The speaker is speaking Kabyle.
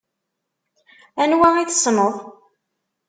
Anwa i tessneḍ?